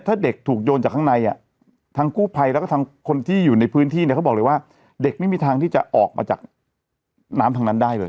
ถ้าเด็กถูกโยนจากข้างใน